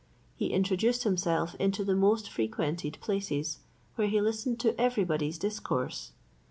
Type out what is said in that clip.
He introduced himself into the most frequented places, where he listened to everybody's discourse.